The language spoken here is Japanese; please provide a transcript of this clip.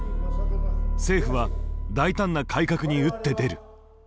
政府は大胆な改革に打って出る。